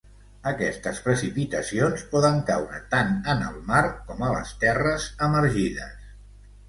Aquestes precipitacions poden caure tant en el mar com a les terres emergides.